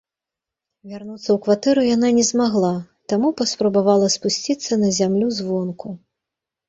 Вярнуцца ў кватэру яна не змагла, таму паспрабавала спусціцца на зямлю звонку.